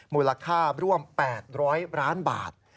มูลค่าร่วม๘๐๐ล้านบาท